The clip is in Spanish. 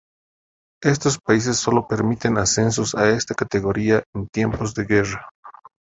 Estos países sólo permiten ascensos a esta categoría en tiempos de guerra.